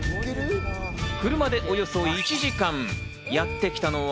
車でおよそ１時間、やってきたのは。